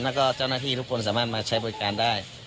แล้วก็เจ้าหน้าที่ทุกคนสามารถมาใช้บริการได้